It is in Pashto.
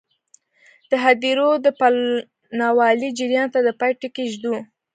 د هدیرو د پلنوالي جریان ته د پای ټکی ږدو.